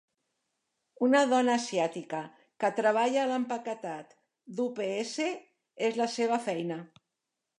Una dona asiàtica que treballa a l'empaquetat d'UPS, és la seva feina.